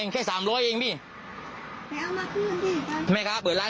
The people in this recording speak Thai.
โกงผมเปล่า